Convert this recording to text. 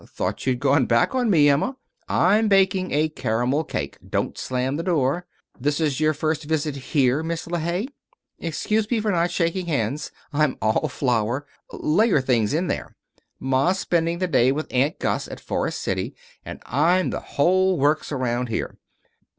Thought you'd gone back on me, Emma. I'm baking a caramel cake. Don't slam the door. This your first visit here, Miss LeHaye? Excuse me for not shaking hands. I'm all flour. Lay your things in there. Ma's spending the day with Aunt Gus at Forest City and I'm the whole works around here.